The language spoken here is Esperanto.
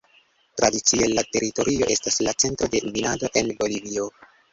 Tradicie la teritorio estas la centro de minado en Bolivio.